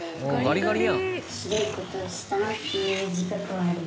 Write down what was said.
ガリガリ。